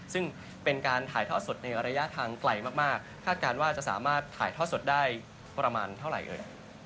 ซึ่งเป็นการถ่ายทอดสดในระยะทางไกลมากคาดการณ์ว่าจะสามารถถ่ายทอดสดได้ประมาณเท่าไหร่เอ่ย